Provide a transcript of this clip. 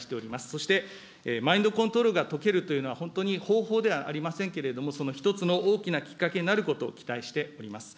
そしてマインドコントロールが解けるというのは、本当に方法ではありませんけれども、一つの大きなきっかけになることを期待しております。